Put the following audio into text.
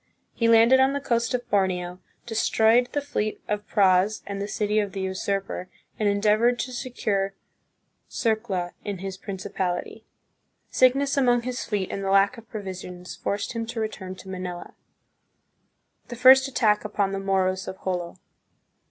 He landed on the coast of Borneo, destroyed the fleet of praus and the city of the usurper, and endeavored to se cure Sirela in his principality. Sickness among his fleet and the lack of provisions forced him to return to Manila. The First Attack upon the Moros of Jolo.